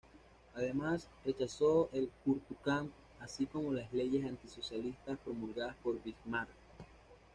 Además, rechazó el "Kulturkampf", así como las leyes anti-socialistas promulgadas por Bismarck.